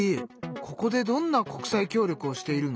ここでどんな国際協力をしているの？